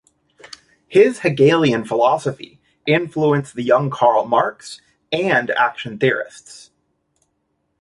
His Hegelian philosophy influenced the young Karl Marx and action theorists.